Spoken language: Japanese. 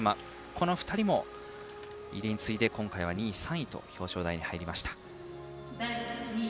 この２人も入江に次いで今回は２位、３位と表彰台に入りました。